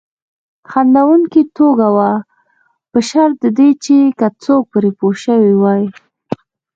خندونکې ټوکه وه په شرط د دې که څوک پرې پوه شوي وای.